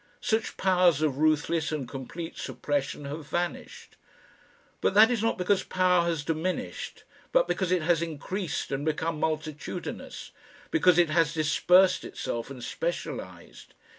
Such powers of ruthless and complete suppression have vanished. But that is not because power has diminished, but because it has increased and become multitudinous, because it has dispersed itself and specialised.